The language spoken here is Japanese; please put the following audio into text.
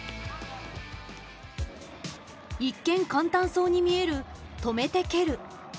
一見簡単そうに見える「止めて蹴る」。